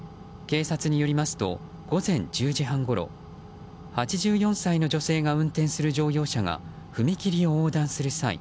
警察によりますと午前１０時半ごろ８４歳の女性が運転する乗用車が踏切を横断する際